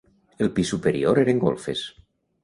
El pis superior eren golfes.